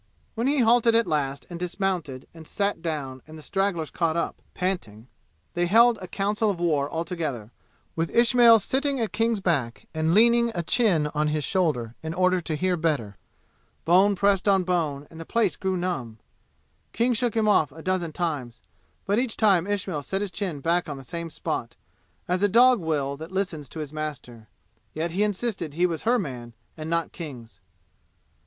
When he halted at last and dismounted and sat down and the stragglers caught up, panting, they held a council of war all together, with Ismail sitting at King's back and leaning a chin on his shoulder in order to hear better. Bone pressed on bone, and the place grew numb; King shook him off a dozen times; but each time Ismail set his chin back on the same spot, as a dog will that listens to his master. Yet he insisted he was her man, and not King's.